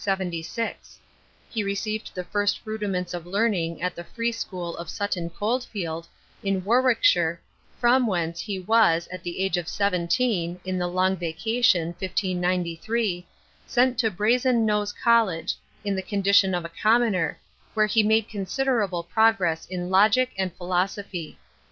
He received the first rudiments of learning at the free school of Sutton Coldfield, in Warwickshire from whence he was, at the age of seventeen, in the long vacation, 1593, sent to Brazen Nose College, in the condition of a commoner, where he made considerable progress in logic and philosophy.